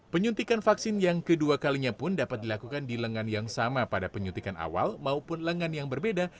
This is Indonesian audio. penyuntikan vaksin yang kedua kalinya pun dapat dilakukan di lengan yang sama pada penyuntikan awal maupun lengan yang berbeda